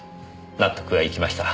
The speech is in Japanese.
納得がいきました。